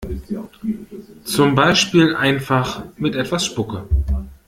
Zum Beispiel einfach mit etwas Spucke.